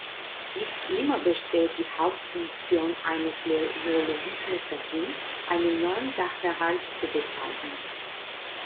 Nicht immer besteht die Hauptfunktion eines Neologismus darin, einen neuen Sachverhalt zu bezeichnen.